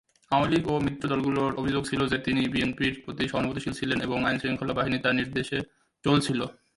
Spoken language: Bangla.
আওয়ামী লীগ ও মিত্র দলগুলোর অভিযোগ ছিল যে, তিনি বিএনপির প্রতি সহানুভূতিশীল ছিলেন এবং আইন-শৃঙ্খলা বাহিনী তার নির্দেশে চলছিল।